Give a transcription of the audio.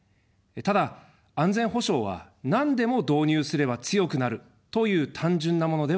ただ、安全保障は、なんでも導入すれば強くなるという単純なものではありません。